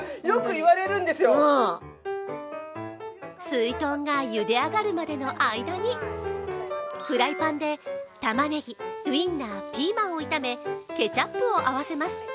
すいとんが茹で上がるまでの間にフライパンで、たまねぎウインナー、ピーマンを炒めケチャップを合わせます。